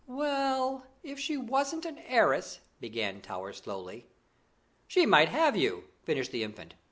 "Well, if she wasn't an heiress " began Towers slowly. "She might have you," finished the Infant.